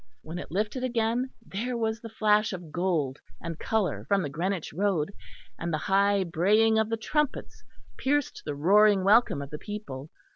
When it lifted again, there was the flash of gold and colour from the Greenwich road, and the high braying of the trumpets pierced the roaring welcome of the people.